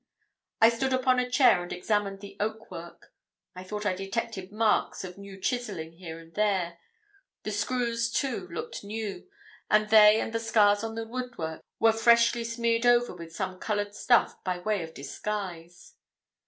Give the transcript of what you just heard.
I stood upon a chair and examined the oak work. I thought I detected marks of new chiselling here and there. The screws, too, looked new; and they and the scars on the woodwork were freshly smeared over with some coloured stuff by way of disguise.